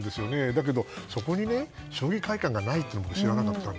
だけど、そこに将棋会館がないというのは知らなかったの。